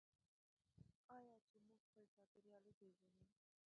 آیا چې موږ خپل چاپیریال وپیژنو؟